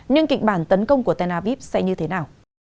nhưng kịch bản tấn công của tena vip sẽ như thế nào